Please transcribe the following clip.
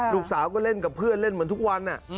ลูกสาวก็เล่นกับเพื่อนเล่นเหมือนทุกวัน